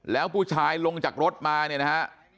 แล้วผู้ชายลงจากรถมาเนี่ยนะฮะ